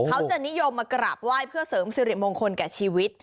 เขาจะนิยมมากราบไหว้เพื่อเสริมสิริมงคลแก่ชีวิต